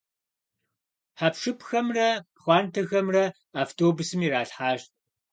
Хьэпшыпхэмрэ пхъуантэхэмрэ автобусым иралъхьащ.